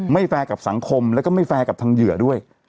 แฟร์กับสังคมแล้วก็ไม่แฟร์กับทางเหยื่อด้วย